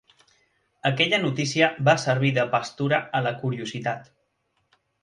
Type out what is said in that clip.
Aquella notícia va servir de pastura a la curiositat.